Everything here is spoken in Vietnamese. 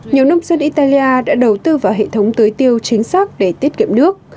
nhiều nông dân italia đã đầu tư vào hệ thống tưới tiêu chính xác để tiết kiệm nước